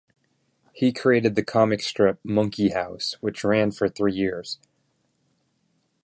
He created the comic strip "Monkeyhouse", which ran for three years.